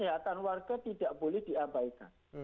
jadi hak kesehatan warga tidak boleh diabaikan